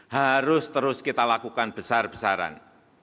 harus terus kita lakukan besar besaran